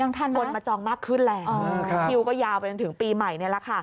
ยังทันนะคุณมาจองมากขึ้นแหล่งคิวก็ยาวไปถึงปีใหม่นี่แหละค่ะ